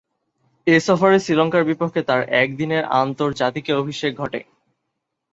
এ সফরে শ্রীলঙ্কার বিপক্ষে তার একদিনের আন্তর্জাতিকে অভিষেক ঘটে।